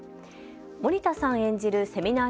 森田さん演じるセミナー